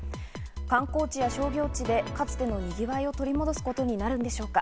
観光地や商業地でかつてのにぎわいを取り戻すことになるんでしょうか。